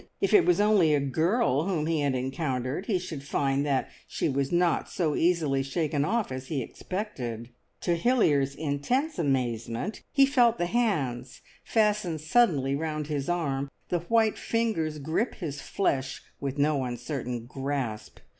If it was only a girl whom he had encountered, he should find that she was not so easily shaken off as he expected. To Hilliard's intense amazement he felt the hands fasten suddenly round his arm, the white fingers grip his flesh with no uncertain grasp.